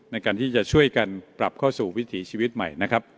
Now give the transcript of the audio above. ในการที่จะช่วยกันปรับเข้าสู่วิถีชีวิตใหม่นะครับ